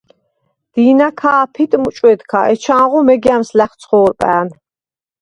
დი̄ნა ქა̄ფიტ მუჭვედქა, ეჩქანღო მეგა̈მს ლა̈ხცხო̄რპა̈ნ.